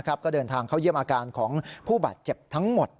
ก็เดินทางเข้าเยี่ยมอาการของผู้บาดเจ็บทั้งหมด